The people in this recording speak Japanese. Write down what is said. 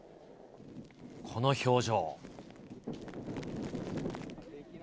この表情。